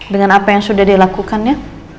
dengan apa yang sudah dia lakukan ya